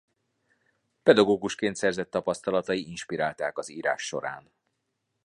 Pedagógusként szerzett tapasztalatai inspirálták az írás során.